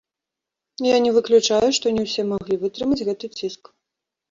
Я не выключаю, што не ўсе маглі вытрымаць гэты ціск.